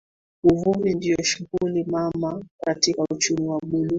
Uvuvi ndio shughuli mama katika uchumi wa Buluu